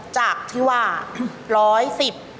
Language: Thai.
จากที่ว่าร้อยสิบ